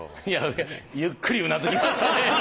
いやゆっくりうなずきましたね。